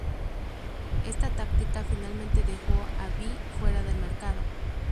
Esta táctica finalmente dejó a Be fuera del mercado.